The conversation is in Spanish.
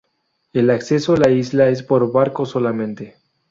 El acceso a la isla es por barco solamente.